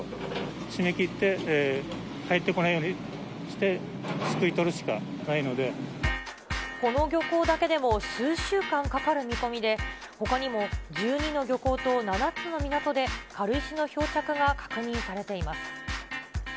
閉め切って入ってこないようにして、この漁港だけでも数週間かかる見込みで、ほかにも１２の漁港と７つの港で軽石の漂着が確認されています。